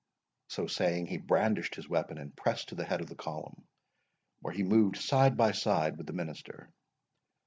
So saying, he brandished his weapon, and pressed to the head of the column, where he moved side by side with the minister.